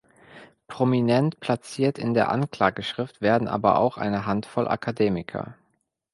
Prominent platziert in der Anklageschrift werden aber auch eine Handvoll Akademiker.